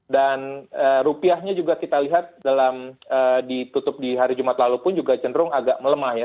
dan rupiahnya juga kita lihat dalam ditutup di hari jumat lalu pun juga cenderung agak melemah ya